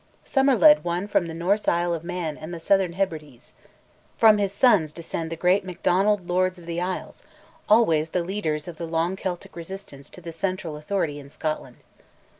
Somerled won from the Norse the Isle of Man and the Southern Hebrides; from his sons descend the great Macdonald Lords of the Isles, always the leaders of the long Celtic resistance to the central authority in Scotland.